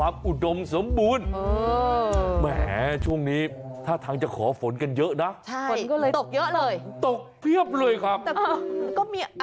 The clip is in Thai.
นี่นี่นี่นี่นี่นี่นี่นี่นี่